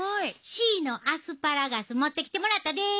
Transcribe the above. シーのアスパラガス持ってきてもらったで！